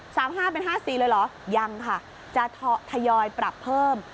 ห้าเป็นห้าสี่เลยเหรอยังค่ะจะทยอยปรับเพิ่ม